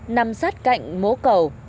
nằm sát cạnh mố cầu